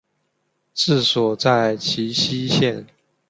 治所在齐熙县。